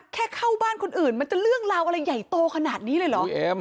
แค่เข้าบ้านคนอื่นมันจะเรื่องราวอะไรใหญ่โตขนาดนี้เลยเหรอ